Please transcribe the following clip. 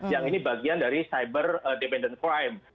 yang ini bagian dari cyber demand crime